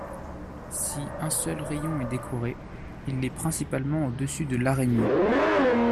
Si un seul rayon est décoré, il l'est principalement au-dessus de l'araignée.